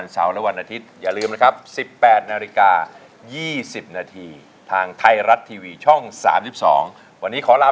สวัสดีค่ะ